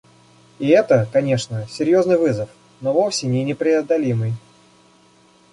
И это, конечно, серьезный вызов, но вовсе не непреодолимый.